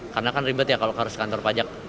karena kan ribet ya kalau harus kantor pajak